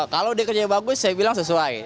kalau dia kerjanya bagus saya bilang sesuai